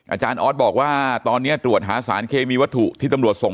อาจารย์ออสบอกว่าตอนนี้ตรวจหาสารเคมีวัตถุที่ตำรวจส่ง